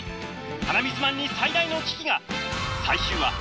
鼻水マンに最大の危機が！